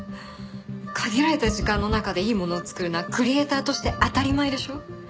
限られた時間の中でいいものを作るのはクリエーターとして当たり前でしょ。